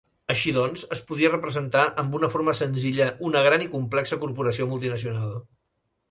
Així doncs, es podia representar amb una forma senzilla una gran i complexa corporació multinacional.